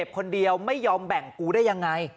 คนเดียวไม่ยอมแบ่งกูได้ยังไง